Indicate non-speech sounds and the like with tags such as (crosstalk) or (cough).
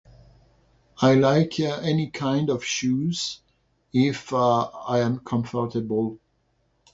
I like (hesitation) any kind of shoes if (hesitation) I am comfortable.